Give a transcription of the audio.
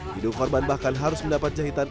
hidup korban bahkan harus mendapat jahitan